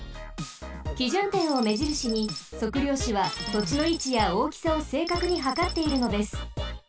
基準点をめじるしに測量士はとちのいちやおおきさをせいかくにはかっているのです。